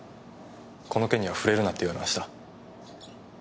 この件には触れるなって言われました。